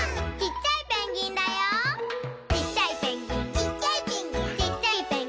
「ちっちゃいペンギン」